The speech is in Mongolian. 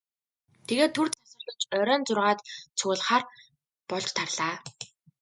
Тэгээд түр завсарлаж оройн зургаад цугларахаар болж тарлаа.